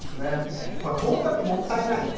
トータルもったいない。